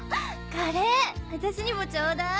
カレー私にもちょうだい。